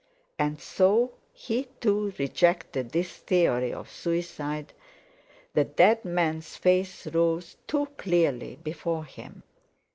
And so he too, rejected this theory of suicide, the dead man's face rose too clearly before him.